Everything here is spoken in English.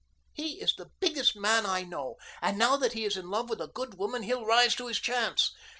He is the biggest man I know, and now that he is in love with a good woman he'll rise to his chance."